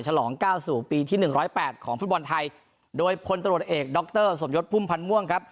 ฉลองก้าวสู่ปีที่หนึ่งร้อยแปดของฟุตบอลไทยโดยพลตรวจเอกดรสมยศพุ่มพันธ์ม่วงครับ